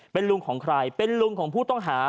เป็นลุงของใครเป็นลุงของผู้ต้องหา